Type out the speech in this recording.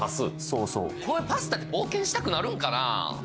そうそうこういうパスタって冒険したくなるんかな？